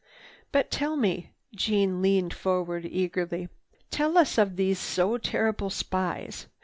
"But tell us—" Jeanne leaned forward eagerly. "Tell us of these so terrible spies.